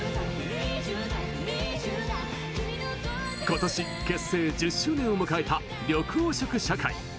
今年、結成１０周年を迎えた緑黄色社会。